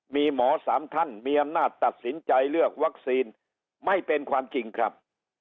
มีหมอสามท่านมีอำนาจตัดสินใจเลือกวัคซีนไม่เป็นความจริงครับ